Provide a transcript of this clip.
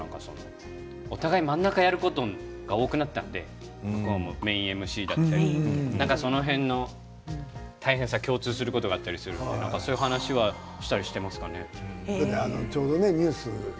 お互い真ん中をやることが多くなって、ＭＣだったりその辺の大変さが共通することがあったりするのでそういう話をしたりしていますかね。